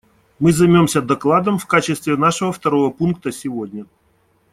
Мы займемся докладом в качестве нашего второго пункта сегодня.